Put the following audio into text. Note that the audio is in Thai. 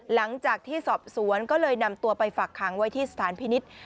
หลังจากที่สอบสวนก็เลยนำตัวไปฝากขังไว้ที่สถานพินิษฐ์